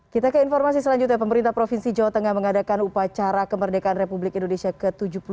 kita ke informasi selanjutnya pemerintah provinsi jawa tengah mengadakan upacara kemerdekaan republik indonesia ke tujuh puluh dua